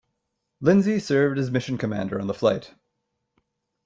Lindsey served as mission commander on the flight.